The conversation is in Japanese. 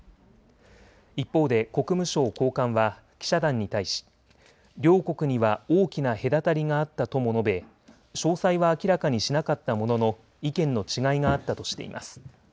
一方で国務省高官は記者団に対し両国には大きな隔たりがあったとも述べ、詳細は明らかにしなかったものの意見の違いがあったとしています。